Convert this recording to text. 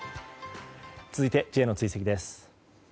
続いてＪの追跡です。